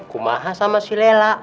kumaha sama si lela